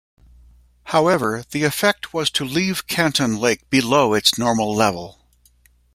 However, the effect was to leave Canton Lake below its normal level.